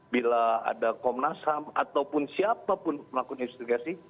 bila ada komnas ham ataupun siapa pun melakukan investigasi